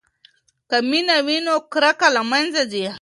که مینه وي نو کرکه له منځه ځي.